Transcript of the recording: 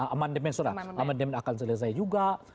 aman demen akan selesai juga